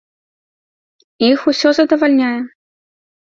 І іх усё задавальняе.